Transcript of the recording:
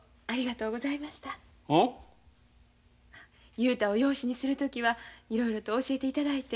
雄太を養子にする時はいろいろと教えていただいて。